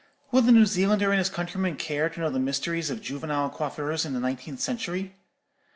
(Will the New Zealander and his countrymen care to know the mysteries of juvenile coiffures in the nineteenth century?)